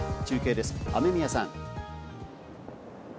中継です、雨宮さん。